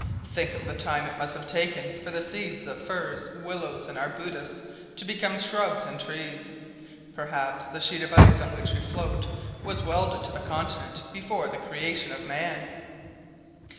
Think of the time it must have taken for the seeds of firs, willows, and arbutus to become shrubs and trees! Perhaps the sheet of ice on which we float was welded to the continent before the creation of man!"